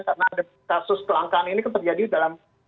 karena ada kasus kelangkaan ini kan terjadi dalam